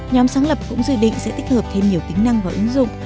nhóm sáng lập cũng dự định sẽ tích hợp thêm nhiều tính năng vào ứng dụng